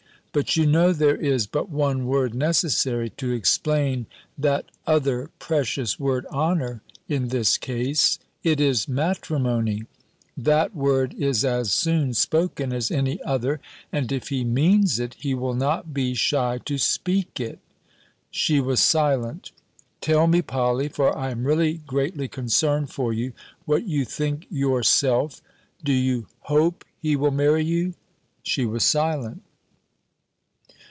"But you know there is but one word necessary to explain that other precious word honour, in this case. It is matrimony. That word is as soon spoken as any other, and if he means it, he will not be shy to speak it." She was silent. "Tell me, Polly (for I am really greatly concerned for you), what you think yourself; do you hope he will marry you?" She was silent.